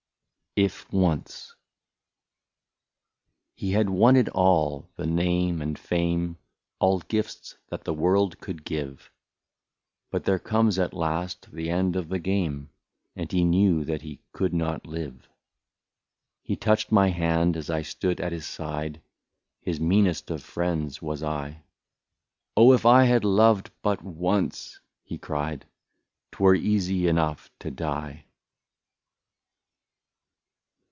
149 ''IF ONCE He had won it all — the name and fame, All gifts that the world could give ; But there comes at last the end of the game, And he knew that he could not live. He touched my hand as I stood at his side His meanest of friends was I —" Oh ! if I had loved but once," he cried, " 'T were easy enough to die